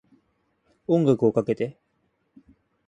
音楽をかけて